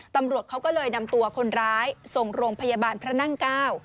ตำรวจเขาก็เลยนำตัวคนร้ายส่งโรงพยาบาลพระนั่งเก้า